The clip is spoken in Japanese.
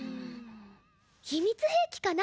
秘密兵器かな？